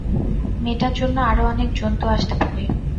মেয়েটার জন্য আরো অনেক জন্তু আসতে পারে।